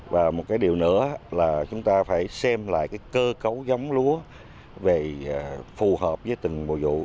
và một cái điều nữa là chúng ta phải xem lại cái cơ cấu giống lúa về phù hợp với từng mùa vụ